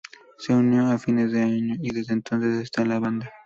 Se unió a fines de año y desde entonces está en la banda.